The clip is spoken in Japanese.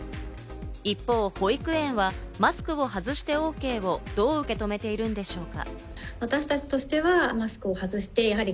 一方、保育園はマスクを外してＯＫをどう受け止めているんでしょうか？